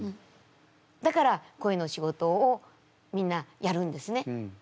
だから声の仕事をみんなやるんですね。